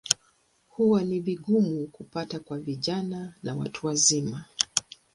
Huwa ni vigumu kupata kwa vijana na watu wazima.